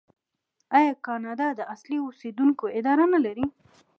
آیا کاناډا د اصلي اوسیدونکو اداره نلري؟